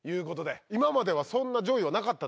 今まではそんな上位はなかったんですか？